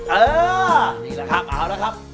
เออนี่แหละครับเอาละครับ